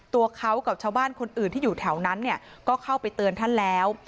ตัวเขากับชาวบ้านคนอื่นที่อยู่แถวนั้นเนี่ยก็เข้าไปเตือนท่านแล้ว